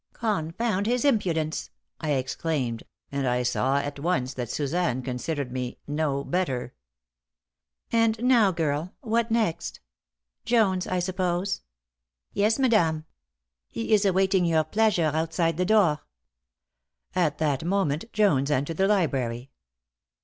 "Confound his impudence!" I exclaimed, and I saw at once that Suzanne considered me "no better." "And now, girl, what next? Jones, I suppose." "Yes, madame. He is awaiting your pleasure outside the door." At that moment Jones entered the library.